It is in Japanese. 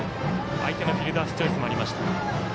相手のフィルダースチョイスもありました。